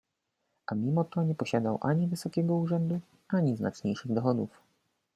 A mimo to nie posiadał ani wysokiego urzędu, ani znaczniejszych dochodów.